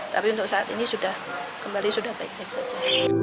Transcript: tapi untuk saat ini sudah kembali sudah baik baik saja